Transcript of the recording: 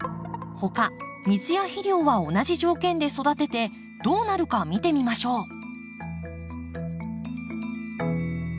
ほか水や肥料は同じ条件で育ててどうなるか見てみましょう。